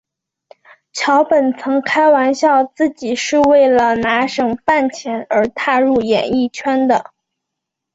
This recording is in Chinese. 桥本曾开玩笑自己是为了拿省饭钱而踏入演艺圈的。